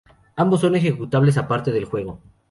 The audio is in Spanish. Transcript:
Ambos son ejecutables aparte del juego.